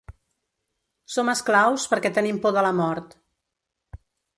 Som esclaus perquè tenim por de la mort.